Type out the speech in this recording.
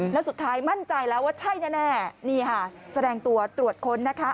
แล้วสุดท้ายมั่นใจแล้วว่าใช่แน่นี่ค่ะแสดงตัวตรวจค้นนะคะ